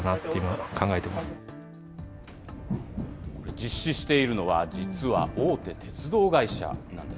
実施しているのは実は大手鉄道会社なんです。